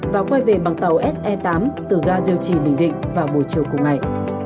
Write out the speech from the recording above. và quay về bằng tàu se tám từ ga diêu trì bình định vào buổi chiều cùng ngày